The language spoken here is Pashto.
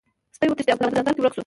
سپی وتښتید او په ځنګل کې ورک شو.